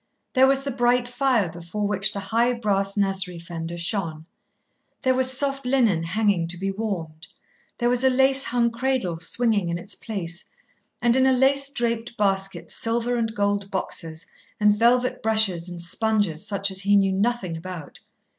There was the bright fire before which the high brass nursery fender shone. There was soft linen hanging to be warmed, there was a lace hung cradle swinging in its place, and in a lace draped basket silver and gold boxes and velvet brushes and sponges such as he knew nothing about.